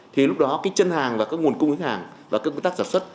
thì lúc đó cái chân hàng và các nguồn cung ứng hàng và các công tác sản xuất